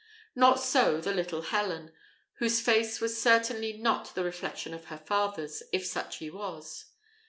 Not so the little Helen, whose face was certainly not the reflection of her father's, if such he was.